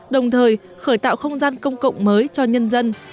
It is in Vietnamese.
đồng thời khởi tạo không gian công cộng mới cho nhân dân